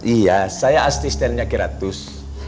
iya saya asli stylenya kiratus